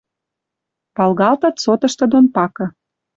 Валгалтыт сотышты дон пакы.